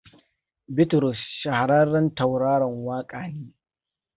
Bitrus shahararren tauraro waka ne.